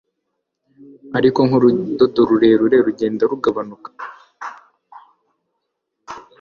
Ariko nkurudodo rurerure rugenda rugabanuka